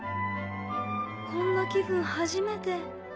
こんな気分初めて